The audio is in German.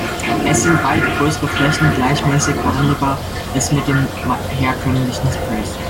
Es sind weit größere Flächen gleichmäßig behandelbar als mit den herkömmlichen Sprays.